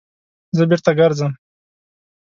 _زه بېرته ګرځم.